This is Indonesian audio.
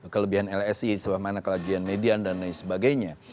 kelebihan lsc sebelah mana kajian median dan lain sebagainya